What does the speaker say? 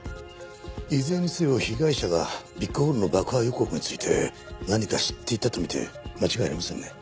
いずれにせよ被害者がビッグホールの爆破予告について何か知っていたと見て間違いありませんね。